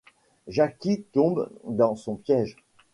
Jacquie tombe dans son piège.